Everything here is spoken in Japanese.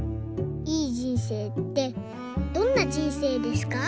いい人生ってどんな人生ですか？」。